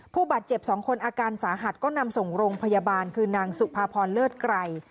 ผู้บาดเจ็บ๒คนอาการสาหัสก็นำส่งโรงพยาบาลคือนางสุภาพรเลิศไกร